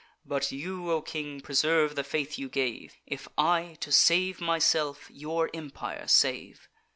But you, O king, preserve the faith you gave, If I, to save myself, your empire save.